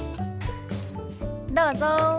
どうぞ。